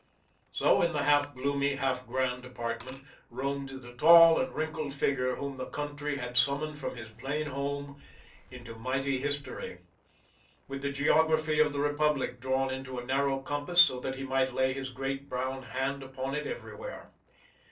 So, in the half gloomy, half grand apartment, roamed the tall and wrinkled figure whom the country had summoned from his plain home into mighty history, with the geography of the republic drawn into a narrow compass so that he might lay his great brown hand upon it everywhere.